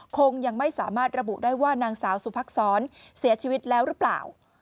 คงยังไม่สามารถระบุได้ว่านางสาวสุภักษรเสียชีวิตแล้วหรือเปล่า